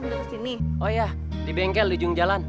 oh iya di bengkel di ujung jalan